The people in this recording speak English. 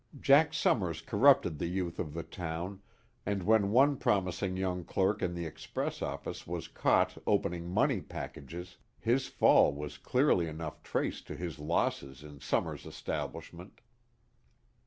Jack Summers corrupted the youth of the town, and when one promising young clerk in the Express office was caught opening money packages, his fall was clearly enough traced to his losses in Summers's establishment.